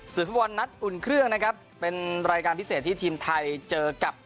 ฟุตบอลนัดอุ่นเครื่องนะครับเป็นรายการพิเศษที่ทีมไทยเจอกับ